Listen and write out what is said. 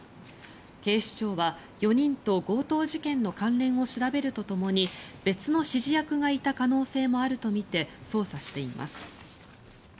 警視庁は４人と強盗事件の関連を調べるとともに別の指示役がいた可能性もあるとみて捜査しています。